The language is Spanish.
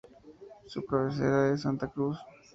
Su cabecera es Santa Cruz.